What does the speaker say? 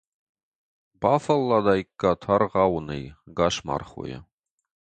Бафӕлладаиккат аргъауынӕй ӕгас мархойы.